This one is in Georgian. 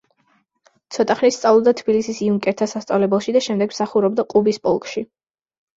ცოტა ხნით სწავლობდა თბილისის იუნკერთა სასწავლებელში და შემდეგ მსახურობდა ყუბის პოლკში.